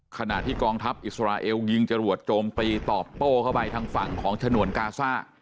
ขณะที่กองทัพอิสราเอลยิงจรวดโจมตีตอบโต้เข้าไปทางฝั่งของฉนวนกาซ่า